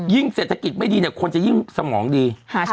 เศรษฐกิจไม่ดีเนี่ยคนจะยิ่งสมองดี